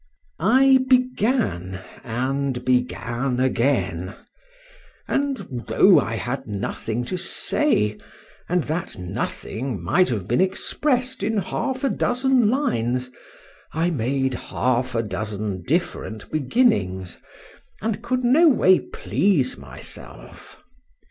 I began and began again; and, though I had nothing to say, and that nothing might have been expressed in half a dozen lines, I made half a dozen different beginnings, and could no way please myself.